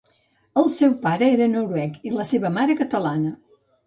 El seu pare era noruec i la seva mare catalana.